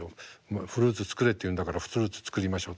「フルーツ作れ」っていうんだから「フルーツ作りましょう」と。